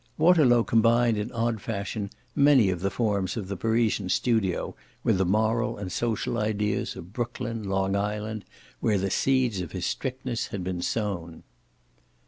Waterlow combined in odd fashion many of the forms of the Parisian studio with the moral and social ideas of Brooklyn Long Island, where the seeds of his strictness had been sown.